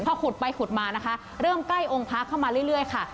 พอขุดไปขุดมานะคะเริ่มใกล้องค์พระเข้ามาเรื่อยค่ะ